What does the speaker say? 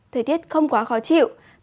thời tiết không quá khó chịu